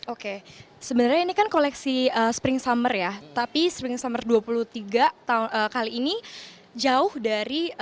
oke sebenarnya ini kan koleksi spring summer ya tapi spring summer dua puluh tiga kali ini jauh dari